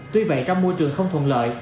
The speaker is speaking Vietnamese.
tuy vậy trong môi trường không thuận lợi